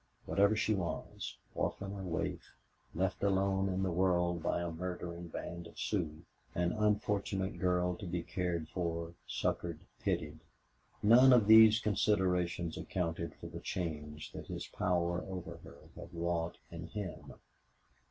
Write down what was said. Whatever she was orphan or waif, left alone in the world by a murdering band of Sioux an unfortunate girl to be cared for, succored, pitied none of these considerations accounted for the change that his power over her had wrought in him.